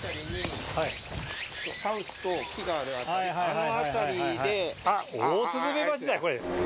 ここの辺りに、あっ、オオスズメバチだ、これ。